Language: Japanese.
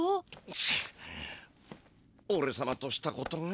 チッおれさまとしたことが。